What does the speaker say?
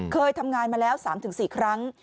เคยทำงานมาแล้ว๓๔ครั้ง